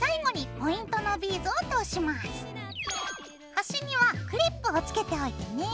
端にはクリップをつけておいてね。